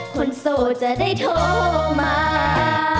คนโสดจะได้โทรมา